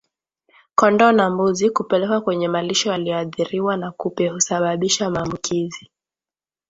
Kondoo na mbuzi kupelekwa kwenye malisho yaliyoathiriwa na kupe husababisha maambukizi